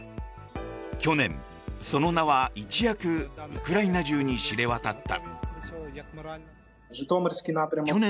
去年、その名は一躍ウクライナ中に知れ渡った。